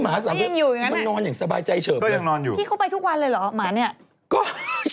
หมา๓ตัวนี่มันนอนอย่างสบายใจเฉิบเลยพี่เข้าไปทุกวันเลยเหรอหมานี่